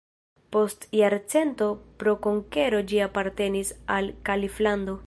Post jarcento pro konkero ĝi apartenis al kaliflando.